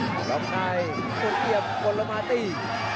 หลดใต้มีคุณเหยียบคนละดองมาตี